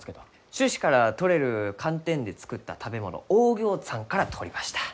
種子からとれるカンテンで作った食べ物オーギョーツァンから取りました。